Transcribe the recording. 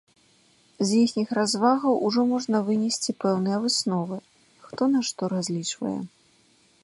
З іхніх развагаў ужо можна вынесці пэўныя высновы, хто на што разлічвае.